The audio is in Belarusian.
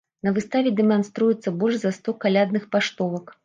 На выставе дэманструецца больш за сто калядных паштовак.